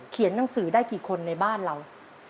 หนังสือได้กี่คนในบ้านเรา